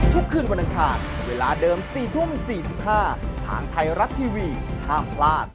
ทุกคืนวันอังคารเวลาเดิม๔ทุ่ม๔๕ทางไทยรัฐทีวีห้ามพลาด